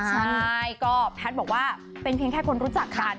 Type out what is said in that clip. ใช่ก็แพทย์บอกว่าเป็นเพียงแค่คนรู้จักกัน